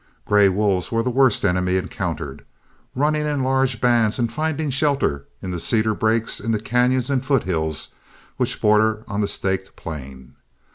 Gray wolves were the worst enemy encountered, running in large bands and finding shelter in the cedar brakes in the cañons and foothills which border on the Staked Plain.